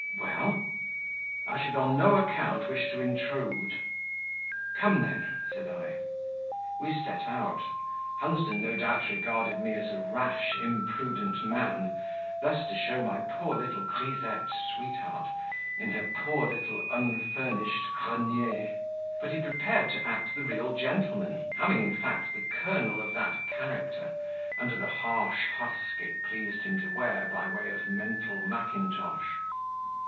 "Well?" "I should on no account wish to intrude." "Come, then," said I. We set out. Hunsden no doubt regarded me as a rash, imprudent man, thus to show my poor little grisette sweetheart, in her poor little unfurnished grenier; but he prepared to act the real gentleman, having, in fact, the kernel of that character, under the harsh husk it pleased him to wear by way of mental mackintosh.